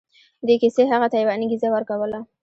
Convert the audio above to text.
دې کيسې هغه ته يوه انګېزه ورکوله.